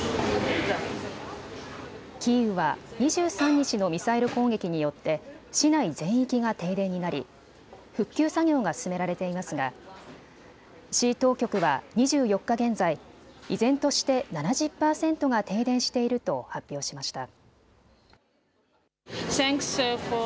キーウは２３日のミサイル攻撃によって市内全域が停電になり復旧作業が進められていますが市当局は２４日現在、依然として７０％が停電していると発表しました。